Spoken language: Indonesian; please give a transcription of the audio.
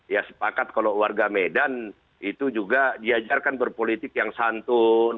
ya sepakat kalau warga medan itu juga diajarkan berpolitik yang santun